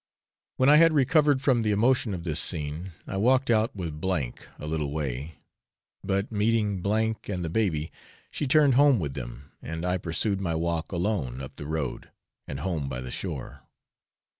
When I had recovered from the emotion of this scene, I walked out with S a little way, but meeting M and the baby, she turned home with them, and I pursued my walk alone up the road, and home by the shore.